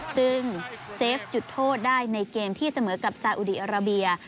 ซึ่งเซฟจุดโทษได้ในเกมที่เสมอกับซาอุดีอาราเบีย